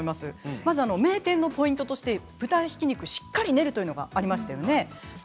まず名店のポイントとして豚ひき肉をしっかり練るというのがありました。